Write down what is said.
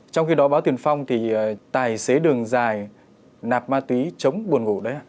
trong khi đó báo tuyền phong thì tài xế đường dài nạp ma túy chống buồn ngủ đấy ạ